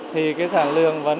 thì cái sản lượng vẫn